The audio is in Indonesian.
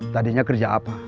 tadinya kerja apa